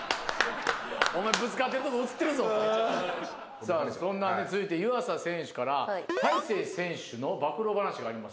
さあそんな続いて湯浅選手から大勢選手の暴露話があります。